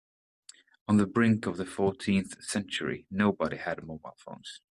On the brink of the fourteenth century, nobody had mobile phones.